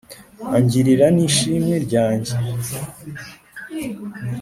angirira ni shimwe ryange